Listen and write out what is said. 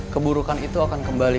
keburukan itu akan kembali